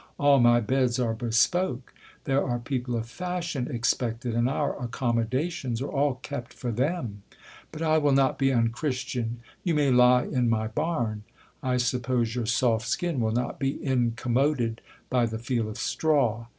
All my beds are bespoke. There are people of fashion expected, and our accommodations are all kept for them. DONNA MENCIA'S RECEPTION' OP HIM. 29 But I will not be unchristian : you may lie in my barn : I suppose your soft skin will not be incommoded by the feel of straw.